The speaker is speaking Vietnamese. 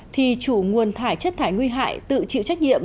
thì chủ nguồn thải chất thải nguy hại tự chịu trách nhiệm